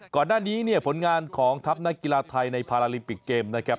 ก่อนหน้านี้เนี่ยผลงานของทัพนักกีฬาไทยในพาราลิมปิกเกมนะครับ